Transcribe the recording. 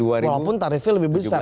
walaupun tarifnya lebih besar